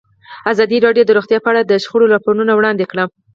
ازادي راډیو د روغتیا په اړه د شخړو راپورونه وړاندې کړي.